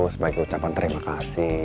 sebagai ucapan terima kasih